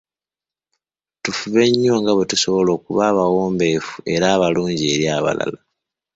Tufube nnyo nga bwe tusobola okuba abawombeefu era abalungi eri abalala.